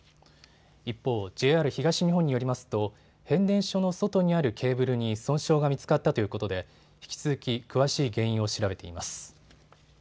一方、ＪＲ東日本によりますと変電所の外にあるケーブルに損傷が見つかったということで引き続き詳しい原因を調べています。